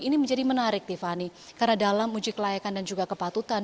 ini menjadi menarik tiffany karena dalam uji kelayakan dan juga kepatutan